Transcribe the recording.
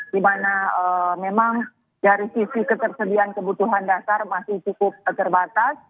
di mana memang dari sisi ketersediaan kebutuhan dasar masih cukup terbatas